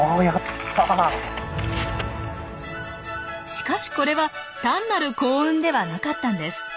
しかしこれは単なる幸運ではなかったんです。